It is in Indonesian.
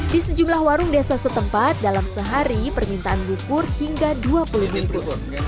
di sejumlah warung desa setempat dalam sehari permintaan bukur hingga dua puluh buku